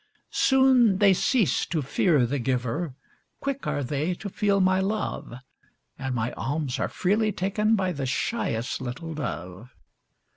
Soon they cease to fear the giver, Quick are they to feel my love, And my alms are freely taken By the shyest little dove.